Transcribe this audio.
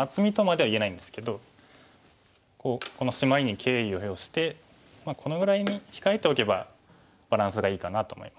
厚みとまでは言えないんですけどこのシマリに敬意を表してこのぐらいに控えておけばバランスがいいかなと思います。